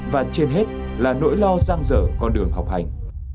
và trên hết là nỗi lo giang dở con đường học hành